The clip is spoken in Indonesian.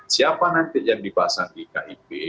siapa nanti yang dipasang di kib